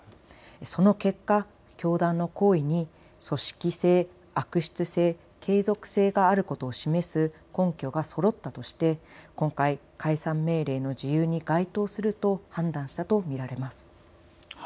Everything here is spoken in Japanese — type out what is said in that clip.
その結果、教団の行為に組織性、悪質性、継続性があることを示す根拠がそろったとして今回、解散命令の事由に該当すると判断したと見られます。